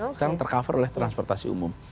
sekarang tercover oleh transportasi umum